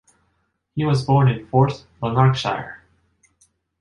He was born in Forth, Lanarkshire.